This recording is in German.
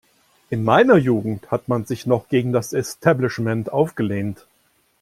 In meiner Jugend hat man sich noch gegen das Establishment aufgelehnt.